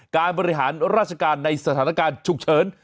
การบริหารราชการในสถานการณ์ฉุกเฉิน